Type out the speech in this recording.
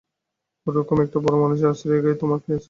ও-রকম একটা বড় মানুষের আশ্রয়-এ গাঁয়ে তোমার আছে কি?